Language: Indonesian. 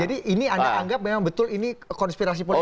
jadi ini anda anggap memang betul ini konspirasi politik